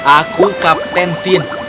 aku kapten tim